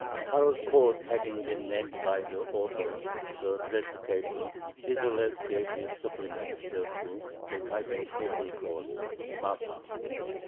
Caro's code having been named by the author "The Dressed Table," Isserles gave his supplements thereto the title "Table cloth" (Mappa).